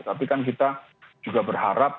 tapi kan kita juga berharap